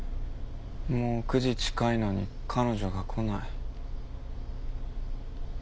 もう９時近いのに彼女が来ない。